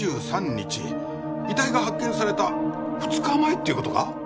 遺体が発見された２日前っていう事か？